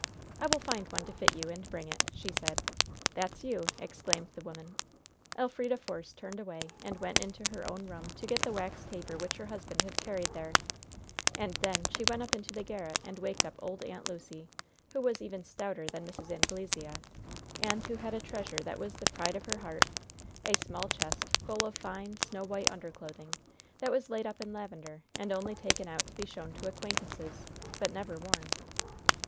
"I will find one to fit you, and bring it," she said. "That's you!" exclaimed the woman. Elfrida Force turned away and went into her own room to get the wax taper which her husband had carried there, and then she went up into the garret and waked up old Aunt Lucy, who was even stouter than Mrs. Anglesea, and who had a treasure that was the pride of her heart a small chest, full of fine, snow white underclothing, that was laid up in lavender, and only taken out to be shown to acquaintances, but never worn.